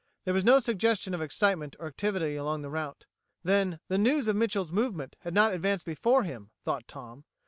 There was no suggestion of excitement or activity along the route. Then the news of Mitchel's movement had not advanced before him, thought Tom.